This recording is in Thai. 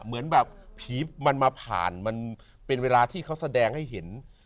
เหมือนแบบผีมันมาผ่านมันเป็นเวลาที่เขาแสดงให้เห็น